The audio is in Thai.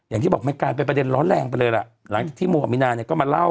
อย่างที่บอกมันกลายเป็นประเด็นร้อนแรงไปเลยล่ะหลังจากที่โมอามีนาเนี่ยก็มาเล่า